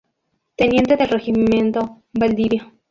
Teniente del Regimiento Valdivia.